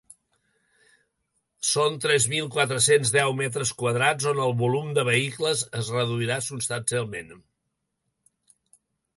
Són tres mil quatre-cents deu metres quadrats on el volum de vehicles es reduirà substancialment.